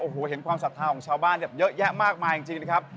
โอ้โหเห็นความศรัทธาของชาวบ้านแบบเยอะแยะมากมายจริงนะครับ